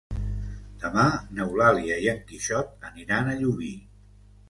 Demà n'Eulàlia i en Quixot aniran a Llubí.